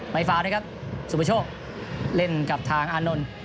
ไม้ฟาวนะครับสุประโชคเล่นกับทางอาร์นนนด์